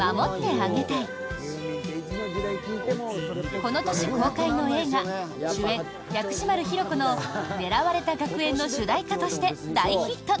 この年公開の映画主演・薬師丸ひろ子の「ねらわれた学園」の主題歌として大ヒット！